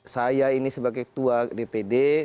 saya ini sebagai ketua dpd